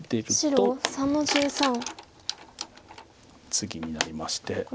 ツギになりまして。